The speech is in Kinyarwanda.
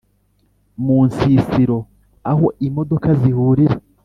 munsisiro aho imodoka zihurira